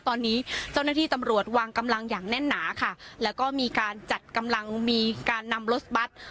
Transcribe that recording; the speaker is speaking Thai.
ตอนนี้เจ้าหน้าที่ตำรวจวางกำลังอย่างแน่นหนาค่ะแล้วก็มีการจัดกำลังมีการนำรถบัตร